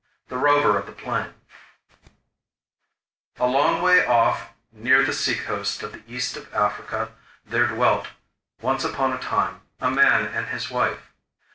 ] The Rover of the Plain A long way off, near the sea coast of the east of Africa, there dwelt, once upon a time, a man and his wife.